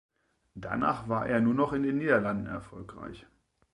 Danach war er nur noch in den Niederlanden erfolgreich.